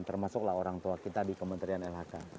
termasuklah orang tua kita di kementerian lhk